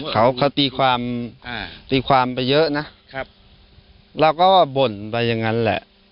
เขาเขาตีความอ่าตีความไปเยอะนะครับเราก็บ่นไปอย่างนั้นแหละ